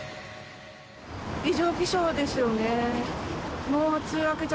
異常気象ですよね。